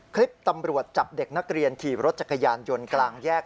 คลิปตำรวจจับเด็กนักเรียนขี่รถจักรยานยนต์กลางแยก